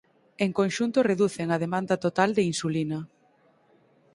En conxunto reducen a demanda total de insulina.